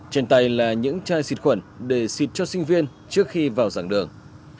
trên tay là những chai xịt khuẩn để xịt cho sinh viên trước khi vào giảng đường